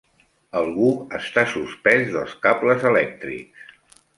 Algú està suspès dels cables elèctrics.